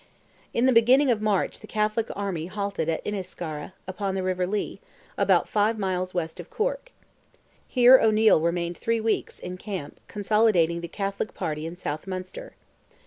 In the beginning of March the Catholic army halted at Inniscarra, upon the river Lee, about five miles west of Cork. Here O'Neil remained three weeks in camp consolidating the Catholic party in South Munster.